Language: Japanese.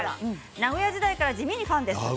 名古屋時代から地味にファンです。